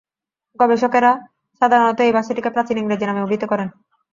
গবেষকেরা সাধারণত এই ভাষাটিকে প্রাচীন ইংরেজি নামে অভিহিত করেন।